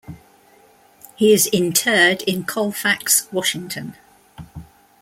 He is interred in Colfax, Washington.